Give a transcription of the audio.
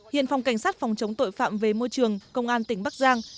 hiện phòng cảnh sát phòng chống tội phạm về môi trường công an tỉnh bắc giang